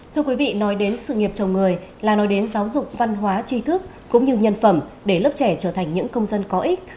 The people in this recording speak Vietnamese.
thưa quý vị nói đến sự nghiệp chồng người là nói đến giáo dục văn hóa tri thức cũng như nhân phẩm để lớp trẻ trở thành những công dân có ích